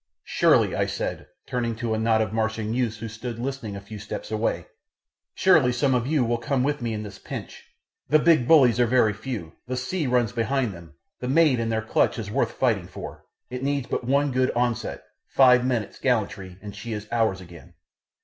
Surely," I said, turning to a knot of Martian youths who stood listening a few steps away, "surely some of you will come with me at this pinch? The big bullies are very few; the sea runs behind them; the maid in their clutch is worth fighting for; it needs but one good onset, five minutes' gallantry, and she is ours again.